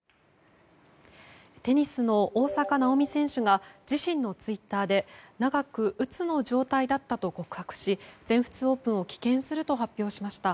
テニスの大坂なおみ選手が自身のツイッターで長く、うつの状態だったと告白し全仏オープンを棄権すると発表しました。